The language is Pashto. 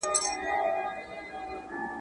سرداري يې زما په پچه ده ختلې.